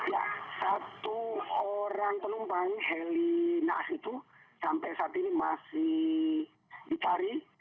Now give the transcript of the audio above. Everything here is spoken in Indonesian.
ya satu orang penumpang heli naas itu sampai saat ini masih dicari